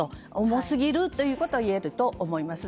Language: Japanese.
重すぎるということが言えると思います。